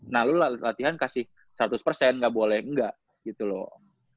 nah lu latihan kasih seratus persen nggak boleh enggak gitu loh